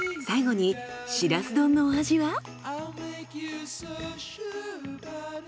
最後にしらす丼のお味は？